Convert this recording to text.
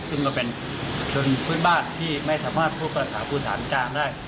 ซึ่งเราเป็นชนพื้นบ้านที่ไม่สามารถพูดภาษาพื้นฐานกลางได้